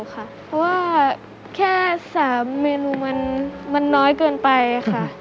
เพราะว่าแค่๓เมนูมันน้อยเกินไปค่ะ